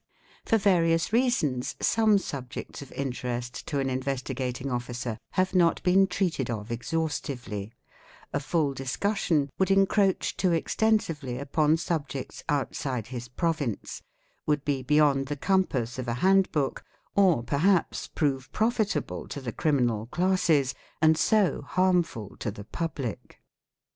For various reasons some subjects of interest to an Investigating Officer have not been treated of exhaustively: a full discussion would ~ encroach too extensively upon subjects outside his province, would be _ beyond the compass of a handbook, or perhaps prove profitable to the criminal classes and so harmful to the public.